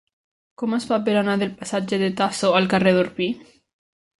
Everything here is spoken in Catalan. Com es fa per anar del passatge de Tasso al carrer d'Orpí?